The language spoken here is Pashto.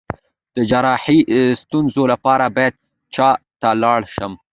د جراحي ستونزو لپاره باید چا ته لاړ شم؟